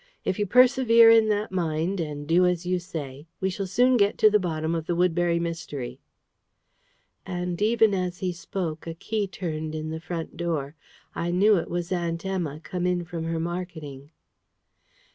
"If you persevere in that mind, and do as you say, we shall soon get to the bottom of the Woodbury Mystery!" And even as he spoke a key turned in the front door. I knew it was Aunt Emma, come in from her marketing.